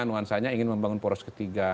nuansanya ingin membangun poros ketiga